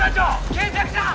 賢作さん！